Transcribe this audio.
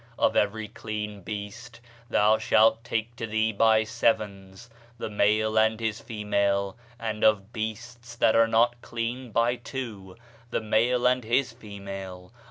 Of every clean beast thou shalt take to thee by sevens, the male and his female: and of beasts that are not clean by two, the male and his female.